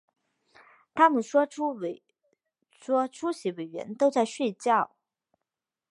他们说出席委员都在睡觉